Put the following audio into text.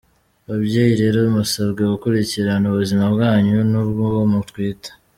Babyeyi rero musabwe gukurikirana ubuzima bwanyu n’ubw’uwo mutwite.